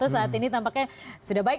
saat ini tampaknya sudah baik